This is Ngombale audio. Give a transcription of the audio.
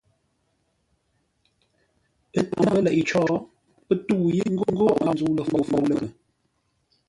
Ə́ tâa mbə́ leʼé có, pə́ tə́u yé ńgó a wó ńzə́u ləfôu mə́lə́ghʼə.